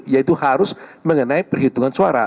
yaitu harus mengenai perhitungan suara